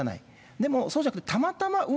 でも、そうじゃなくて、たまたま運